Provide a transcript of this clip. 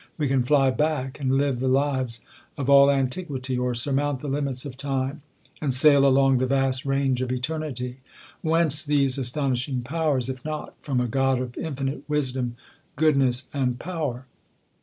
^ We can fly back, and live the lives of all antiquity, or surmount the limits of time, and sail along the vast range of eternity. Whence these astonishing powers, if not from a God of infinite wisdom, goodness, and power